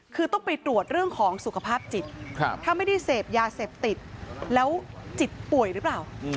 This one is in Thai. คือต้องไปตรวจเรื่องของสุขภาพจิตถ้าไม่ได้เสพยาเสพติดแล้วจิตป่วยหรือเปล่า